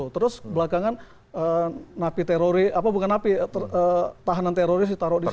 terus belakangan napi teroris apa bukan napi tahanan teroris ditaruh di situ